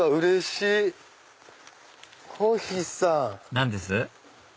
何です？